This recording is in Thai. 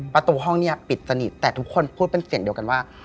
ประตูห้องเนี่ยปิดสนิทแต่ทุกคนพูดเป็นเสียงเดียวกันว่า